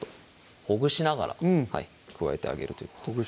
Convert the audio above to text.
ほぐしながら加えてあげるということです